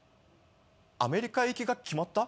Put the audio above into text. アメリカ行きが決まった？